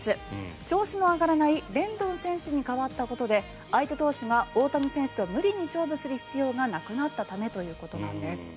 調子の上がらないレンドン選手に変わったことで相手投手が大谷選手と無理に勝負する必要がなくなったためということなんです。